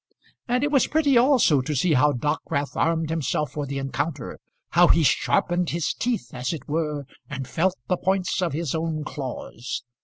And it was pretty also to see how Dockwrath armed himself for the encounter, how he sharpened his teeth, as it were, and felt the points of his own claws.